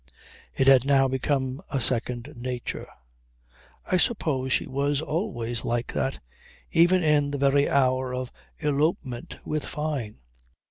It had now become a second nature. I suppose she was always like that; even in the very hour of elopement with Fyne.